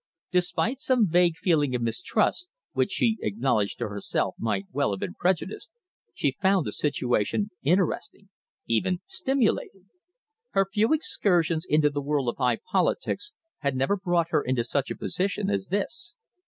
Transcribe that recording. Despite some vague feeling of mistrust, which she acknowledged to herself might well have been prejudiced, she found the situation interesting, even stimulating. Her few excursions into the world of high politics had never brought her into such a position as this.